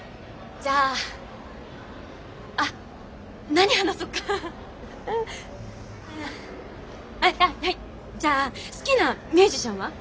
じゃあ好きなミュージシャンは？